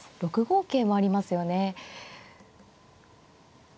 ６五桂もありますよね。